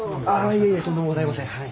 いえいえとんでもございません。